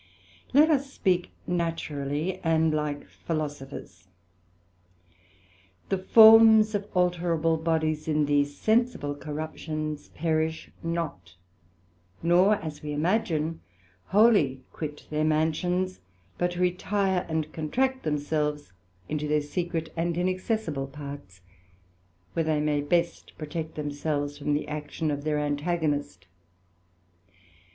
Let us speak naturally, and like Philosophers, the forms of alterable bodies in these sensible corruptions perish not; nor as we imagine, wholly quit their mansions, but retire and contract themselves into their secret and inaccessible parts, where they may best protect themselves from the action of their Antagonist.